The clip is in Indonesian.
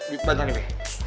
di depan nih be